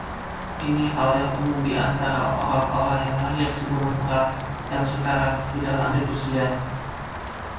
Ini hal yang umum di antara orang-orang yang lahir sebelum perang, yang sekarang sudah lanjut usia.